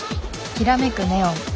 きらめくネオン。